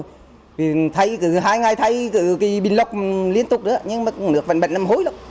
thì thay hai ngày thay cái bình lọc liên tục nữa nhưng mà cũng nước vẫn bệnh năm hối lắm